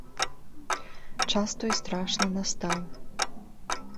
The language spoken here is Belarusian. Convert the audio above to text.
Час той страшны настаў!